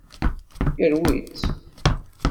Yerwi-tt.